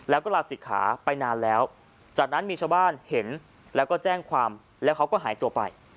แล้วก็ลาศิกขาไปนานแล้วจากนั้นมีชาวบ้านเห็นแล้วก็แจ้งความแล้วเขาก็หายตัวไป